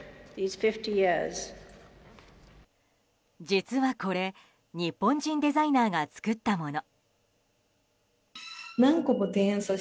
実はこれ日本人デザイナーが作ったもの。